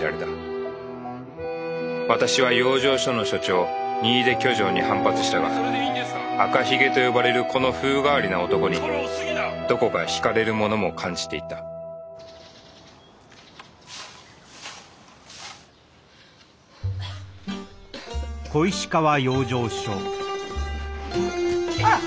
私は養生所の所長新出去定に反発したが赤ひげと呼ばれるこの風変わりな男にどこか引かれるものも感じていたあら